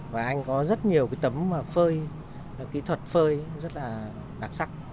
và anh có rất nhiều cái tấm mà phơi kỹ thuật phơi rất là đặc sắc